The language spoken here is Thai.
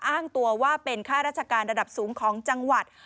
อ้างตัวว่าเป็นค่าราชการระดับสูงของจังหวัด